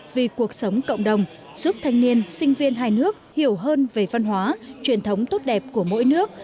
vì cuộc sống cộng đồng giúp thanh niên sinh viên hai nước hiểu hơn về văn hóa truyền thống tốt đẹp của mỗi nước